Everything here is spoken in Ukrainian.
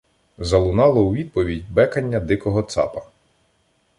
Залунало у відповідь бекання дикого цапа.